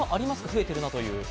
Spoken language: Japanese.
増えているなという。